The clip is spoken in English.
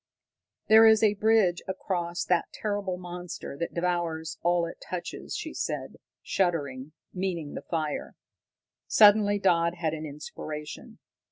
"There is a bridge across that terrible monster that devours all it touches," she said, shuddering, meaning the fire. Suddenly Dodd had an inspiration.